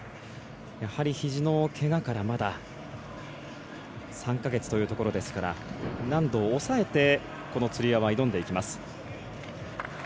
やはり、ひじのけがからまだ３か月というところですから難度を抑えてつり輪は挑んでいきます。